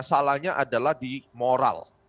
salahnya adalah di moral